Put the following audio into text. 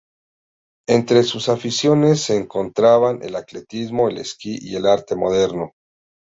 Entre sus aficiones se encontraban el atletismo, el esquí y el arte moderno.